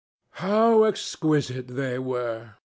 How exquisite they were!